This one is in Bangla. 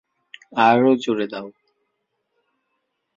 আরও জোরে দাও।